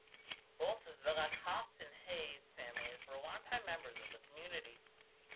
Both the Lacasse and Hayes families were long time members of the community.